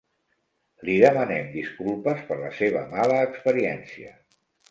Li demanem disculpes per la seva mala experiència.